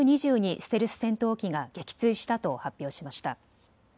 ステルス戦闘機が撃墜したと発表しました。